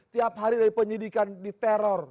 tiap hari ada penyidikan di teror